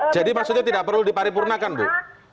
jadi maksudnya tidak perlu diparipurnakan bu